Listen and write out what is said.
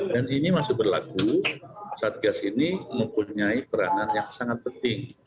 dan ini masih berlaku satgas ini mempunyai peranan yang sangat penting